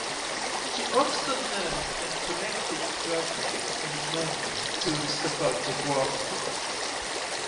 She also nursed and collected clothing and money to support the war effort.